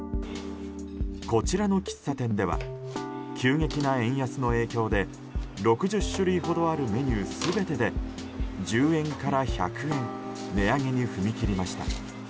こちらの喫茶店では急激な円安の影響で６０種類ほどあるメニュー全てで１０円から１００円値上げに踏み切りました。